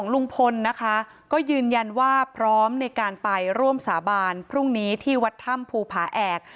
ลุงพลนะคะก็ยืนยันว่าพร้อมในการไปร่วมสาบานพรุ่งนี้ที่วัดถ้ำภูผาแอก